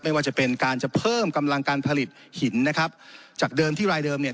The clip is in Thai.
ว่าจะเป็นการจะเพิ่มกำลังการผลิตหินนะครับจากเดิมที่รายเดิมเนี่ย